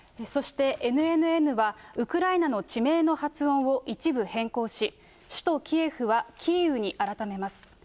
そしてＮＮＮは、ウクライナの地名の発音を一部変更し、首都キエフは、キーウに改めます。